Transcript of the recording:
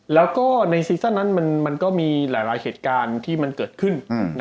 แล้วก็ในซีซั่นนั้นมันก็มีหลายเหตุการณ์ที่มันเกิดขึ้น